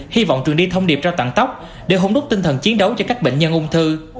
hy vọng trường đi thông điệp ra toàn tóc để hỗn đúc tinh thần chiến đấu cho các bệnh nhân ung thư